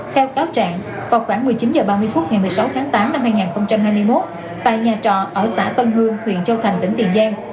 theo cáo trạng vào khoảng một mươi chín h ba mươi phút ngày một mươi sáu tháng tám năm hai nghìn hai mươi một tại nhà trọ ở xã tân hương huyện châu thành tỉnh tiền giang